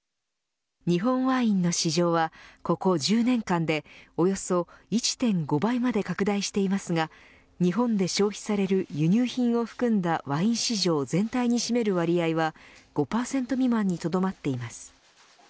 日本ワインの市場はここ１０年間でおよそ１．５倍まで拡大していますが日本で消費される輸入品を含んだワイン市場全体に占める割合は５％未満にとどまっています。